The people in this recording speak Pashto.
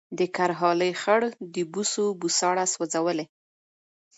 د کرهالې خړ د بوسو بوساړه سوځولې